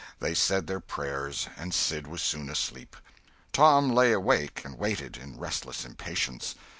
They said their prayers, and Sid was soon asleep. Tom lay awake and waited, in restless impatience.